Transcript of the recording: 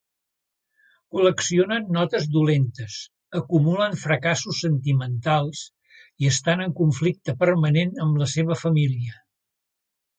Col·leccionen notes dolentes, acumulen fracassos sentimentals i estan en conflicte permanent amb la seva família.